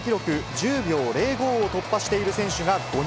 １０秒０５を突破している選手が５人。